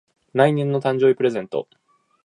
来年の誕生日プレゼント